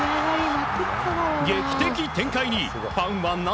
劇的展開にファンは涙。